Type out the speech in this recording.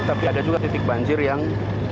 tapi ada juga titik banjir yang